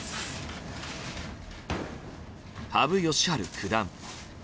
羽生善治九段。